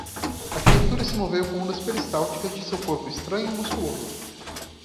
A criatura se moveu com ondas peristálticas de seu corpo estranho e musculoso.